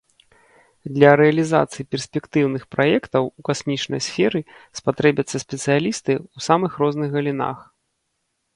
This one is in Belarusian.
Для рэалізацыі перспектыўных праектаў у касмічнай сферы спатрэбяцца спецыялісты ў самых розных галінах.